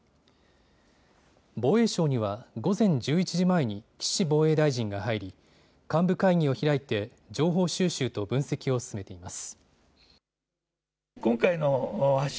防衛省には午前１１時前に岸防衛大臣が入り幹部会議を開いて情報収集と分析を進めています。